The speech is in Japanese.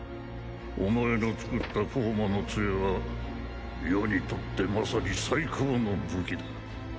お前の作った光魔の杖は余にとってまさに最高の武器だ。